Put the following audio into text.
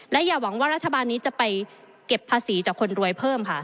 อย่าหวังว่ารัฐบาลนี้จะไปเก็บภาษีจากคนรวยเพิ่มค่ะ